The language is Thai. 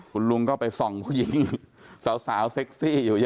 คุณลุงก็ไปส่องผู้หญิงสาวเซ็กซี่อยู่